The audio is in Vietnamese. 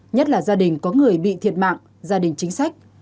nhất là gia đình có người bị thiệt mạng gia đình chính sách